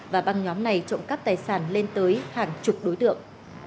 và băng nhóm này trộm cắp tài sản lên tới hàng chục đối tượng